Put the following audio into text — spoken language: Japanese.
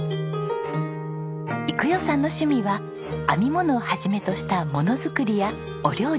育代さんの趣味は編み物を始めとしたものづくりやお料理。